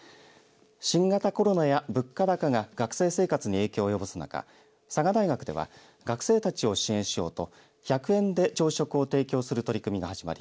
新型コロナや物価高が学生生活に影響を及ぼす中佐賀大学では学生たちを支援しようと１００円で朝食を提供する取り組みが始まり